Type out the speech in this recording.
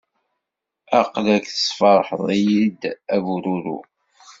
Aql-ak tesferḥeḍ-iyi-d a bururu.